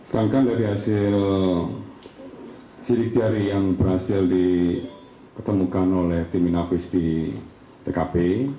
rangka dari hasil sidik jari yang berhasil diketemukan oleh tim inavis di tkp